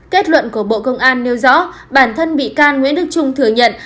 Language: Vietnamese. kết luận của bộ công an nêu rõ bản thân bị can nguyễn đức trung thừa nhận